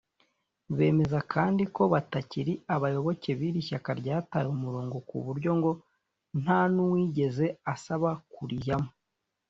Bemeza kandi ko batari abayoboke b’iri shyaka ryataye umurongo kuburyo ngo ntanuwigeze asaba kurijyamo